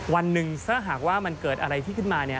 วันหนึ่งถ้าหากว่ามันเกิดอะไรที่ขึ้นมา